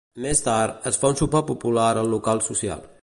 Més tard, es fa un sopar popular al Local Social.